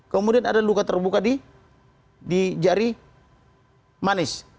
kemudian ada luka terbuka di jari manis